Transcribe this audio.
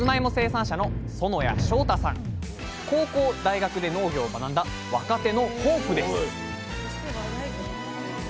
高校大学で農業を学んだ若手のホープです